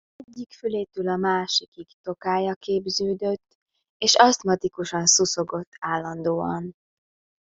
Egyik fülétől a másikig tokája képződött, és asztmatikusan szuszogott állandóan.